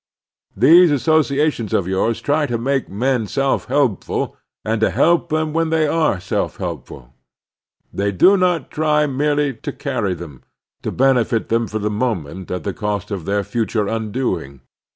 Tliese associations of yours try to make men self helpful and to help them when they are self helpful. They do not try merely to carry them, to benefit them for the moment at the cost of their future tmdoing.